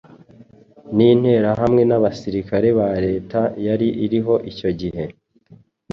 nInterahamwe n'abasirikare ba leta yari iriho icyo gihe.